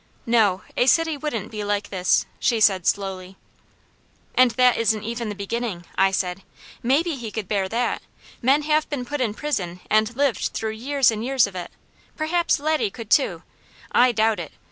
"No, a city wouldn't be like this," she said slowly. "And that isn't even the beginning," I said. "Maybe he could bear that, men have been put in prison and lived through years and years of it, perhaps Laddie could too; I doubt it!